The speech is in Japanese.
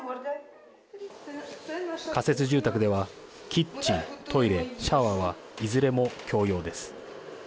仮設住宅ではキッチン、トイレ、シャワーはいずれも共用です。